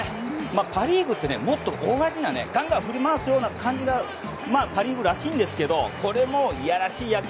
パ・リーグってもっと大味なガンガン振り回すような感じがパ・リーグらしいんですけどこれもいやらしい野球。